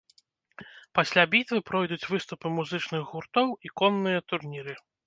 Пасля бітвы пройдуць выступы музычных гуртоў і конныя турніры.